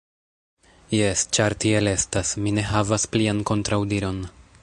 Jes, ĉar tiel estas, mi ne havas plian kontraŭdiron.